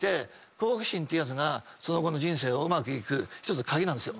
好奇心ってやつがその後の人生がうまくいく１つ鍵なんですよ。